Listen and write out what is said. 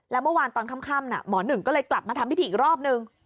แล้วเมื่อวานตอนค่ำหมอหนึ่งก็เลยกลับมาทำพิธีอีกรอบนึง